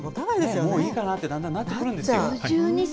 もういいかなって、だんだんなってくるんですよ。